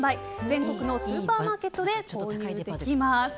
全国のスーパーマーケットで購入できます。